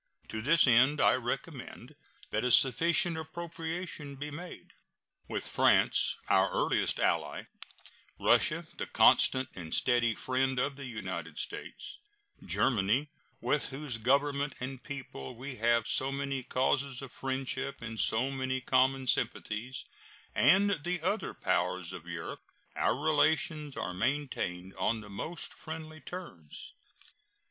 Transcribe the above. To this end I recommend that a sufficient appropriation be made. With France, our earliest ally; Russia, the constant and steady friend of the United States; Germany, with whose Government and people we have so many causes of friendship and so many common sympathies, and the other powers of Europe, our relations are maintained on the most friendly terms.